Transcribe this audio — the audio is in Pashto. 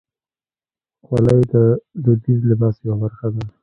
خولۍ د دودیز لباس یوه برخه ده.